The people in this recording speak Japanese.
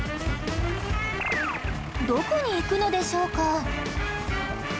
どこに行くのでしょうか？